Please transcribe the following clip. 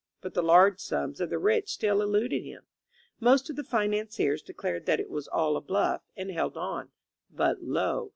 But the large sums of the rich still eluded him. Most of the financiers declared that it was all a bluff, and held on. But lo